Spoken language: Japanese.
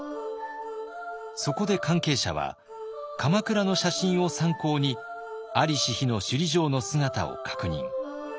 そこで関係者は鎌倉の写真を参考に在りし日の首里城の姿を確認。